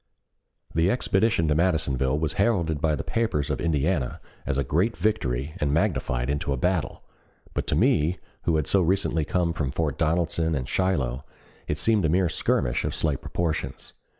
The expedition to Madisonville was heralded by the papers of Indiana as a great victory and magnified into a battle, but to me who had so recently come from Fort Donelson and Shiloh it seemed a mere skirmish of slight proportions.